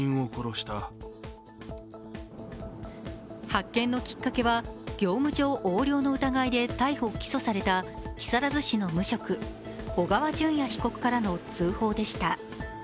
発見のきっかけは業務上横領の疑いで逮捕・起訴された木更津市の無職、小川順也被告からの通報でした。